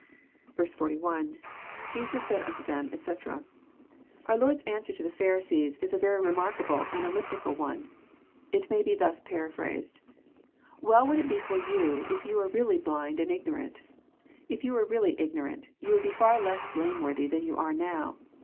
41. — IJesus said unto them, etc.'} Our Lord's answer to the Phari sanSf CHAP. IX. 173 / tsees is a very remarkable and elliptical one. It may be thns paraphrased :" Well would it be for you, if you were really blind and ignorant. If yon were really ignorant, you would be far less blameworthy than you are now.